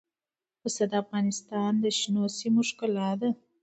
پسه د افغانستان د شنو سیمو ښکلا ده.